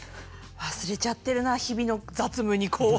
忘れちゃってるな日々の雑務にこう。